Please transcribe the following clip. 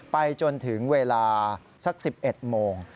ไปจนถึงเวลาสัก๑๑โมง